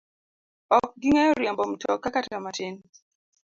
Ok ging'eyo riembo mtoka kata matin.